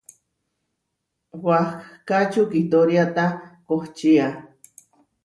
Wahká čukitóriata kohčía.